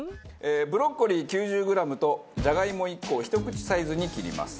ブロッコリー９０グラムとジャガイモ１個をひと口サイズに切ります。